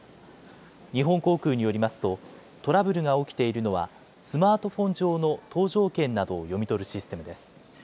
日本航空によりますとトラブルが起きているのはスマートフォン上の搭乗券などを読み取るシステムです。